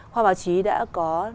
khoa báo chí đã có